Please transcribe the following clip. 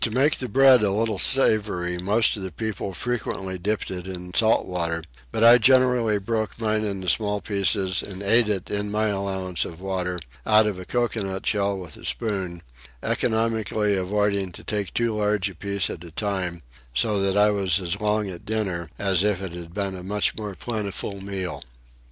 To make the bread a little savoury most of the people frequently dipped it in salt water; but I generally broke mine into small pieces and ate it in my allowance of water, out of a coconut shell with a spoon, economically avoiding to take too large a piece at a time, so that I was as long at dinner as if it had been a much more plentiful meal.